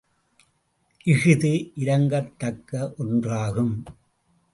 இஃது இரங்கத்தக்க ஒன்றாகும்.